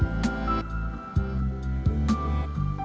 pusat peradaban dan kebudayaan lokal